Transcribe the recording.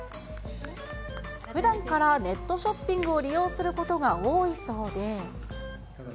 ふだんからネットショッピングを利用することが多いそうで。